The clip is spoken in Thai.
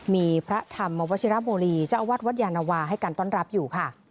มีพระธรรมวชิรโมลีเจ้าอาวาสวัดยานวาให้การต้อนรับอยู่ค่ะ